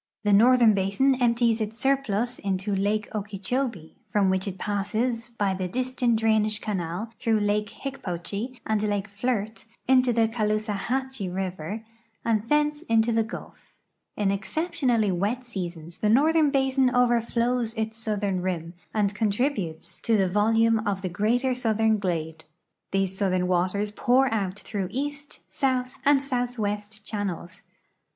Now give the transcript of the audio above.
The northern l)asin emi)ties its surplus into lake Okee chobee, from which it passes by the Disston drainage canal through lake IIicj)ochee and lake Flirt into the Caloosahatchee river and tlience into the Gulf. In exceptionalh'^ wet seasons tlie northern basin overflows its southern rim, and contributes to the volume of the greater southern glade. These southern waters pour out through east, south, and southwest channels.